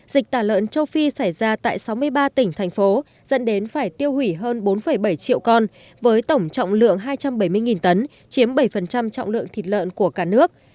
dịch tả lợn châu phi xảy ra tại sáu mươi ba tỉnh thành phố dẫn đến phải tiêu hủy hơn bốn bảy triệu con với tổng trọng lượng hai trăm bảy mươi tấn chiếm bảy trọng lượng thịt lợn của cả nước